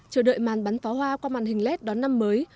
chờ đợi màn bắn pháo hoa qua màn hình led đón năm mới